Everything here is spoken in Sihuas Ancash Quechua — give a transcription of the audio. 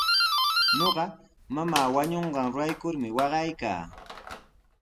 Ñuqa mamaa wañunqanraykumi waqaykaa.